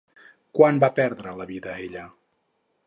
Quan va perdre la vida ella?